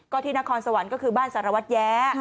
ก็ที่นครสวรรค์ก็คือบ้านสารวัตรแย้